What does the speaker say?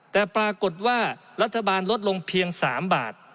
แต่ปรากฏว่ารัฐบาลลดลงเพียง๓บาท